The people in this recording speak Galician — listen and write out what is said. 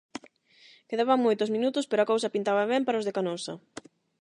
Quedaban moitos minutos pero a cousa pintaba ben para os de Canosa.